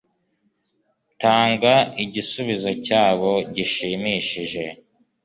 Tanga igisubizo cyabo gishimishije